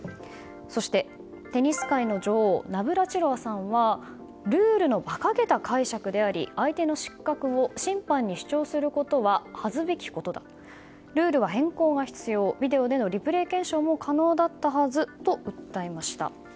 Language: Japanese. そして、テニス界の女王ナブラチロワさんはルールの馬鹿げた解釈であり相手の失格を審判に主張することは恥ずべきことだルールは変更が必要ビデオでのリプレー検証も可能だったはずと訴えました。